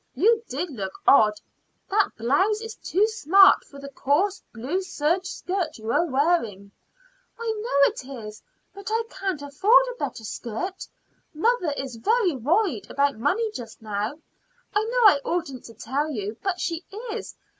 You did look odd. That blouse is too smart for the coarse blue serge skirt you were wearing." "I know it is; but I can't afford a better skirt. Mother is rather worried about money just now. I know I oughtn't to tell you, but she is.